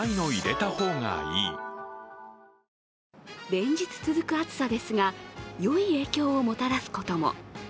連日続く暑さですがよい影響をもたらすことも。